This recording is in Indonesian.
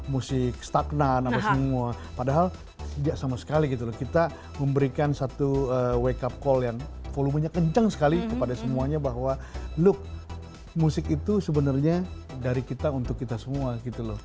musik stagnan apa semua padahal tidak sama sekali gitu loh kita memberikan satu wake up call yang volumenya kencang sekali kepada semuanya bahwa look musik itu sebenarnya dari kita untuk kita semua gitu loh